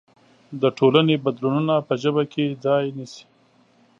د ټولنې بدلونونه په ژبه کې ځای نيسي.